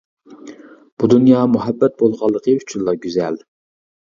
بۇ دۇنيا مۇھەببەت بولغانلىقى ئۈچۈنلا گۈزەل!